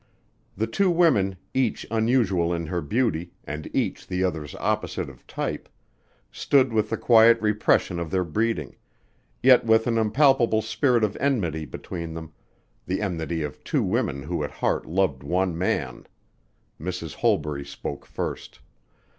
The two women, each unusual in her beauty and each the other's opposite of type, stood with the quiet repression of their breeding, yet with an impalpable spirit of enmity between them: the enmity of two women who at heart love one man. Mrs. Holbury spoke first.